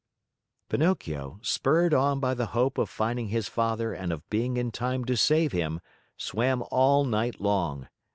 Pinocchio, spurred on by the hope of finding his father and of being in time to save him, swam all night long.